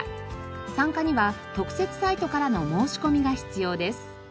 参加には特設サイトからの申し込みが必要です。